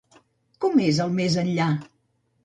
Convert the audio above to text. Com és el més-enllà?